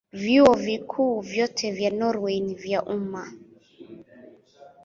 Vyuo Vikuu vyote vya Norwei ni vya umma.